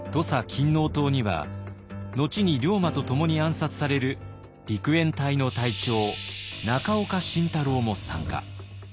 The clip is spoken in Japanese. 勤王党には後に龍馬と共に暗殺される陸援隊の隊長中岡慎太郎も参加。